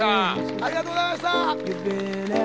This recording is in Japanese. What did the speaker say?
ありがとうございました！えっ？